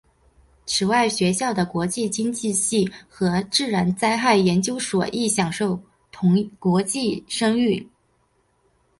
此外学校的国际经济系和自然灾害研究所亦享有国际声誉。